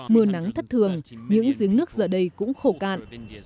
mưa nắng thất thường những giếng nước giờ đây cũng khổ cạn